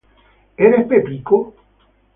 Is it Joe?